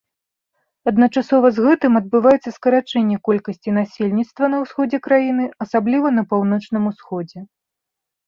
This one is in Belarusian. Адначасова з гэтым адбываецца скарачэнне колькасці насельніцтва на ўсходзе краіны, асабліва на паўночным усходзе.